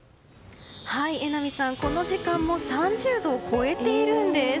榎並さん、この時間も３０度を超えているんです。